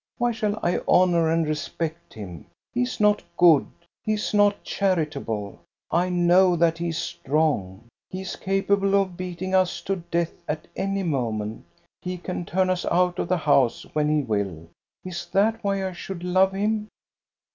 Why shall I honor and respect him? He is not good, he is not charitable. I know that he is strong. He is capable of beating us to death at any moment. He can turn us out of the house when he will. Is that why I should love him?